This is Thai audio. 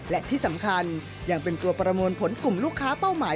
และที่สำคัญยังเป็นตัวประมวลผลกลุ่มลูกค้าเป้าหมาย